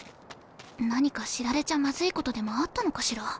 何か知られちゃまずいことでもあったのかしら。